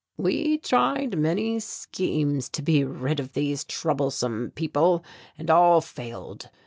"We tried many schemes to be rid of these troublesome people, and all failed.